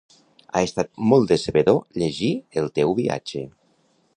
Ha estar molt decebedor llegir el teu viatge!